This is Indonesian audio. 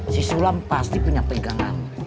si sulam pasti punya pegangan